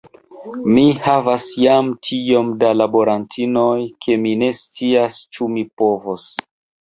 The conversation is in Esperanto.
Mi havas jam tiom da laborantinoj, ke mi ne scias, ĉu mi povos.